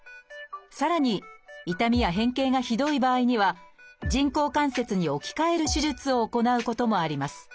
さらに痛みや変形がひどい場合には人工関節に置き換える手術を行うこともあります